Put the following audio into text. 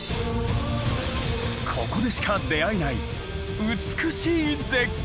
ここでしか出会えない美しい絶景。